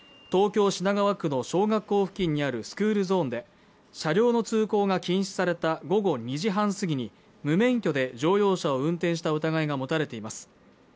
東京品川区の小学校付近にあるスクールゾーンで車両の通行が禁止された午後２時半過ぎに無免許で乗用車を運転した疑いが持たれています